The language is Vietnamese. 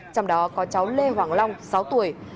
trong đó có cháu lê hoàng long sáu tuổi